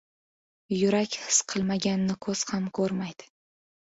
• Yurak his qilmaganni ko‘z ham ko‘rmaydi.